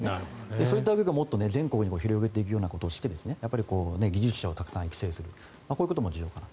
そういったことを全国で広げていくようなことをして技術者を育成していくこういうことも重要かなと。